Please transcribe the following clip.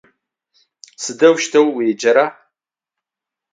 Сыдэущтэу уеджэра?